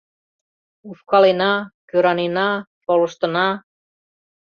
Ушкалена, кӧранена, шолыштына...